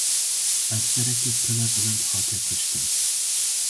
Efserekî pilebilind hate kuştin.